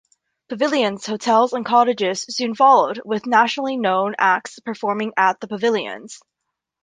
Pavilions, hotels, and cottages soon followed, with nationally known acts performing at the pavilions.